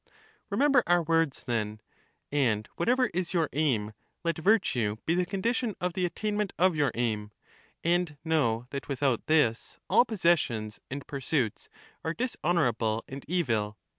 Remember our words, then, and whatever is your aim let virtue be the condition of the attainment of your aim, and know that without this all possessions and pursuits are dishonourable and evil.